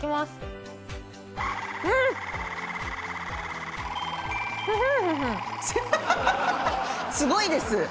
「すごいです」？